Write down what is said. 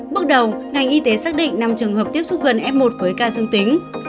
bước đầu ngành y tế xác định năm trường hợp tiếp xúc gần f một với ca dương tính